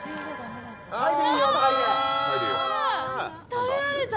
食べられた？